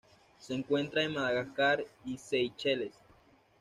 Se encuentra en Madagascar y Seychelles.